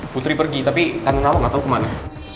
putri pergi tapi tananawang nggak tahu kemana